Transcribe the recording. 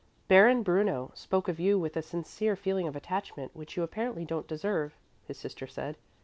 "Baron Bruno spoke of you with a sincere feeling of attachment which you apparently don't deserve," his sister said.